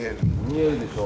見えるでしょ？